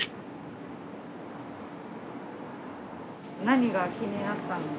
何が気になったの？